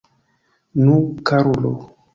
Nu, karulo!